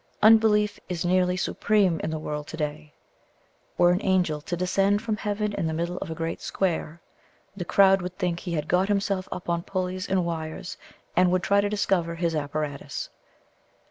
Unbelief is nearly supreme in the world to day. Were an angel to descend from heaven in the middle of a great square, the crowd would think he had got himself up on pulleys and wires, and would try to discover his apparatus.